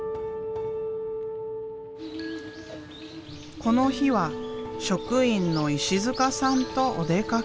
この日は職員の石塚さんとお出かけ。